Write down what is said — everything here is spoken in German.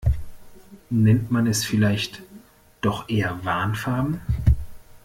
Nennt man es vielleicht doch eher Warnfarben.